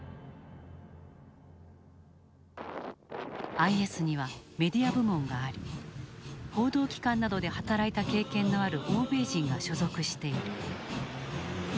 ＩＳにはメディア部門があり報道機関などで働いた経験のある欧米人が所属している。